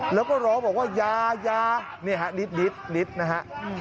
แล้วก็ร้องบอกว่ายายานี่ฮะนิดนะฮะ